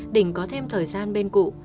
đình có thêm thời gian bên cụ